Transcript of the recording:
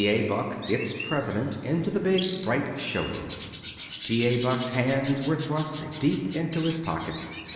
A. Buck, its president, into the big, bright show room. T. A. Buck's hands were thrust deep into his pockets.